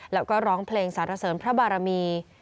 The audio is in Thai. แล้วก็ร้องเพลงสารเสริญพระบารมี